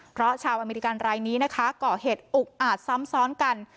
เพราะชาวอเมริกันรายนี้นะคะก่อเหตุอุกอาจซ้ำซ้อนกัน